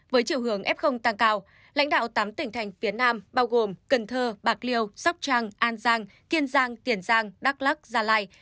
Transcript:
với chiều hướng f tăng cao lãnh đạo tám tỉnh thành phía nam bao gồm cần thơ bạc liêu sóc trăng an giang kiên giang tiền giang đắk lắc gia lai